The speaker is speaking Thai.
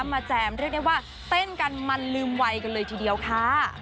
แจมเรียกได้ว่าเต้นกันมันลืมวัยกันเลยทีเดียวค่ะ